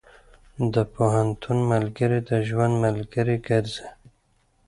د پوهنتون ملګري د ژوند ملګري ګرځي.